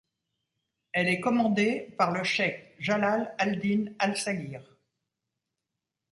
Elle est commandée par le cheikh Jalal al-Din al-Saghir.